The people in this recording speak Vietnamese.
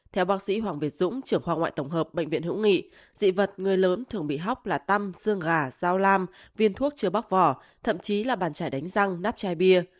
theo bác sĩ hoàng việt dũng trưởng khoa ngoại tổng hợp bệnh viện hữu nghị dị vật người lớn thường bị hóc là tăm xương gà dao lam viên thuốc chứa bóc vỏ thậm chí là bàn trải đánh răng nắp chai bia